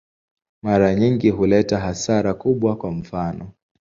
Mara nyingi huleta hasara kubwa, kwa mfano.